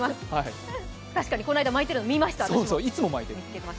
確かにこの間、巻いてるのを見ました。